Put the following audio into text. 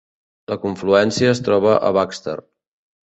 La confluència es troba a Baxter.